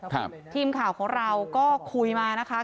ทีมข่าวของเราก็คุยมานะคะ